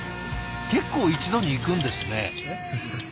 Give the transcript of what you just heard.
結構一度にいくんですね。